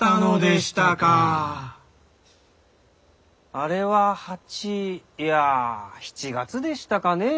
あれは８いや７月でしたかねェー。